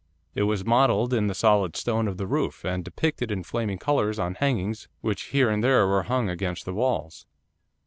It was modelled in the solid stone of the roof, and depicted in flaming colours on hangings which here and there were hung against the walls.